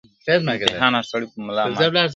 امتحان هر سړي پر ملا مات کړي,